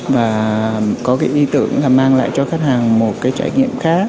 và có cái ý tưởng là mang lại cho khách hàng một cái trải nghiệm khác